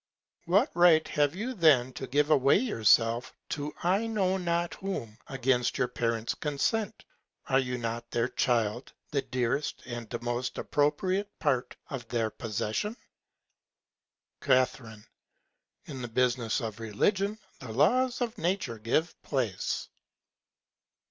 What Right have you then to give away yourself to I know not whom, against your Parents Consent? Are you not their Child, the dearest and most appropriate Part of their Possession? Ca. In the Business of Religion, the Laws of Nature give Place.